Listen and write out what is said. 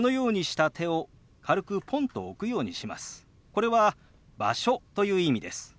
これは「場所」という意味です。